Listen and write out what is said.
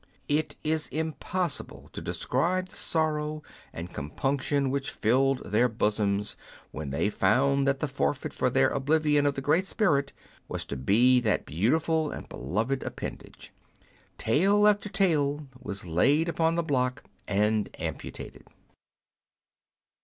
It is impossible to describe the sorrow and compunction which filled their bosoms when they found that the forfeit for their oblivion of the Great Spirit was to be that beautiful and beloved appendage. Tail after tail was laid upon the block and amputated.